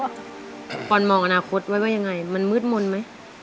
อเรนนี่บอลมองอนาคตไว้ว่ายังไงมันมืดมนไหม